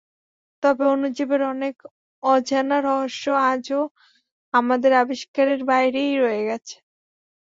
তবে অণুজীবের অনেক অজানা রহস্য আজও আমাদের আবিষ্কারের বাইরেই রয়ে গেছে।